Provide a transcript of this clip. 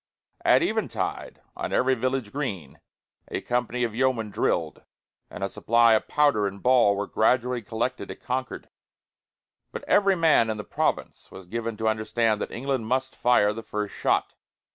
At eventide, on every village green, a company of yeomen drilled, and a supply of powder and ball was gradually collected at Concord; but every man in the province was given to understand that England must fire the first shot.